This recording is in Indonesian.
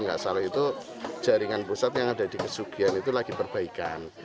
nggak salah itu jaringan pusat yang ada di kesugian itu lagi perbaikan